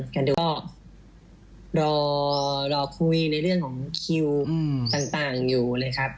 ก็รอคุยในเรื่องของคิวต่างอยู่เลยครับ